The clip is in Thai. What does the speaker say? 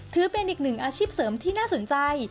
ถือเป็นอีกหนึ่งอาชีพเสริมที่น่าสนใจ